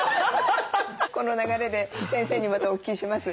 この流れで先生にまたお聞きします。